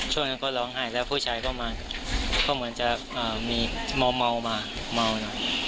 ช่วงนั้นก็ร้องไห้แล้วผู้ชายเข้ามาเขาเหมือนจะอ่ามีเมาเมามาเมาหน่อย